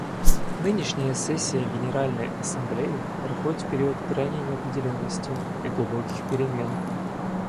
Нынешняя сессия Генеральной Ассамблеи проходит в период крайней неопределенности и глубоких перемен.